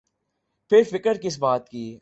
پھر فکر کس بات کی۔